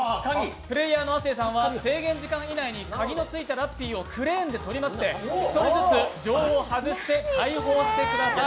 プレーヤーの亜生さんは制限時間以内に鍵のついたラッピーをクレーンで取りまして１人ずつ錠を外して解放してください。